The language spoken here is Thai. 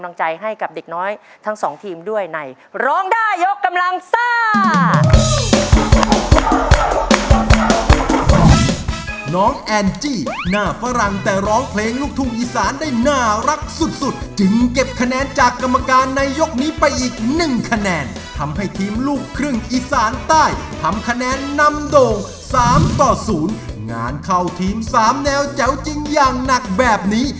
งานเข้าทีม๓แนวแจ๋วจริงอย่างหนักแบบนี้